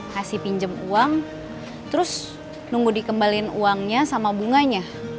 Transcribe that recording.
kasih pinjem uang terus nunggu dikembalin uangnya sama bunganya